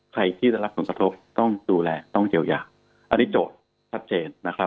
ใครที่ได้รับผลกระทบต้องดูแลต้องเยียวยาอันนี้โจทย์ชัดเจนนะครับ